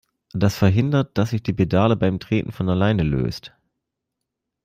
Das verhindert, dass sich die Pedale beim Treten von alleine löst.